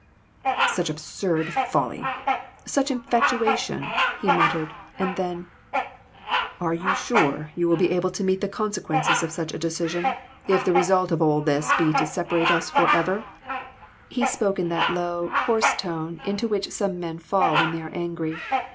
"Such absurd folly! Such infatuation!" he muttered, and then "Are you sure you will be able to meet the consequences of such a decision, if the result of all this be to separate us forever ?" FANATICISM. 341 He spoke in that low, hoarse tone into which some men fall when they are angry.